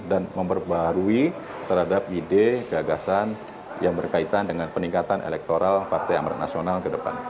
dan memperbarui terhadap ide gagasan yang berkaitan dengan peningkatan elektoral partai amaran nasional ke depan